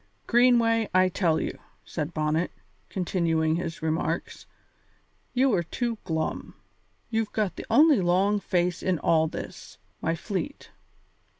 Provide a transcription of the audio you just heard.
"Greenway, I tell you," said Bonnet, continuing his remarks, "you are too glum; you've got the only long face in all this, my fleet.